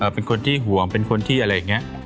เป็นคนที่ห่วงเป็นคนที่อะไรอย่างนี้